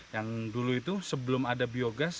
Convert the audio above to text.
yang dulu itu sebelum ada biogas